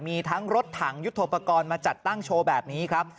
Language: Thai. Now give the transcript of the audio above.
มีทั้งรถถังยุทธโปรกรณ์มาจัดตั้งโชว์แบบนี้ครับ